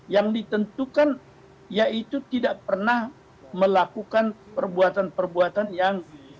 yang ditentukan yaitu tidak pernah melakukan perbuatan perbuatan yang